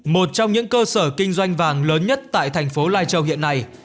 một trong những cơ sở kinh doanh vàng lớn nhất tại thành phố lai châu hiện nay